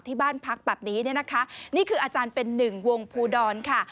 ที่บ้านพักแบบนี้เนี่ยนะคะนี่คืออาจารย์เป็นหนึ่งวงภูดรค่ะ